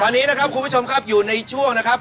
ตอนนี้นะครับคุณผู้ชมครับอยู่ในช่วงนะครับ